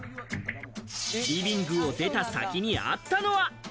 リビングを出た先にあったのは。